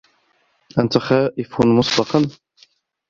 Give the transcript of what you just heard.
أنت خائف مسبقا؟